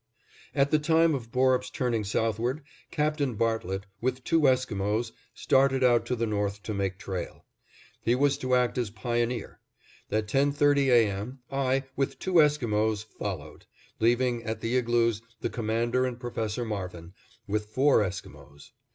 At the time of Borup's turning southward, Captain Bartlett, with two Esquimos, started out to the north to make trail. He was to act as pioneer. At ten thirty A. M., I, with two Esquimos, followed; leaving at the igloos the Commander and Professor Marvin, with four Esquimos.